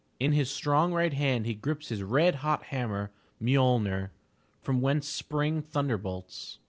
In his strong right hand he grips his red hot hammer, MjoPner, from whence spring thunder bolts.